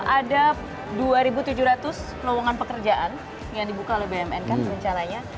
ada dua tujuh ratus lowongan pekerjaan yang dibuka oleh bumn kan rencananya